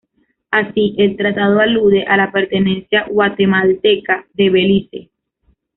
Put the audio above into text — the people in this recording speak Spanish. Así, el tratado alude a la pertenencia guatemalteca de Belice.